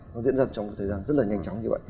nó diễn ra trong một thời gian rất là nhanh chóng như vậy